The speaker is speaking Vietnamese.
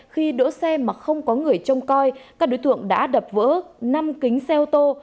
khi đỗ xe mà không có người trông coi các đối tượng đã đập vỡ năm kính xe ô tô